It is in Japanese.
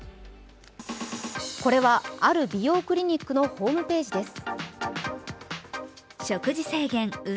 これはある美容クリニックのホームページです。